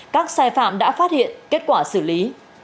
các sai phạm đã phát hiện kết quả xử lý